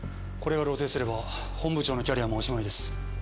これが露呈すれば本部長のキャリアもおしまいです。